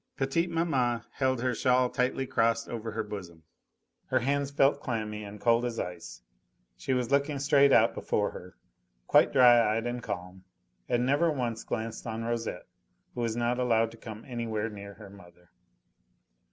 Petite maman held her shawl tightly crossed over her bosom: her hands felt clammy and cold as ice. She was looking straight out before her, quite dry eyed and calm, and never once glanced on Rosette, who was not allowed to come anywhere near her mother.